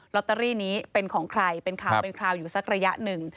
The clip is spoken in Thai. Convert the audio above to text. อตเตอรี่นี้เป็นของใครเป็นข่าวเป็นคราวอยู่สักระยะหนึ่ง